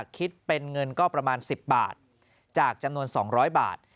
คิดเป็นเงินก็ประมาณ๑๐บาทจากจำนวน๒๐๐บาท